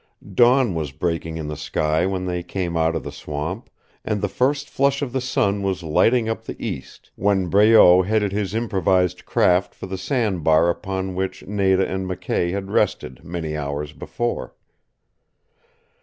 Dawn was breaking in the sky when they came out of the swamp, and the first flush of the sun was lighting up the east when Breault headed his improvised craft for the sandbar upon which Nada and McKay had rested many hours before.